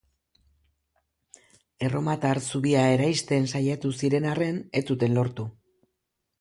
Erromatar zubia eraisten saiatu ziren arren, ez zuten lortu.